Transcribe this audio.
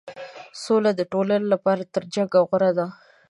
سوله د ټولنې لپاره تر جنګ غوره ده.